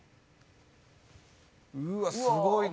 うわっすごいな。